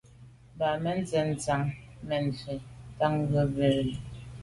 Bǎmén cɛ̌n tsjə́ŋ tà’ mɛ̀n fɛ̀n ndǎʼndjʉ̂ mə́ gə̀ lɛ̌n wú.